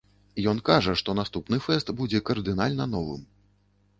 Ён кажа што, наступны фэст будзе кардынальна новым.